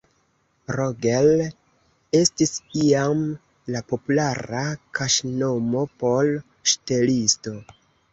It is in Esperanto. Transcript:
Roger estis iam la populara kaŝnomo por ŝtelisto.